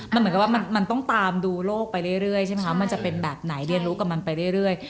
มันเหมือนกับว่ามันต้องตามดูโลกไปเรื่อยใช่ไหมคะมันจะเป็นแบบไหนเรียนรู้กับมันไปเรื่อย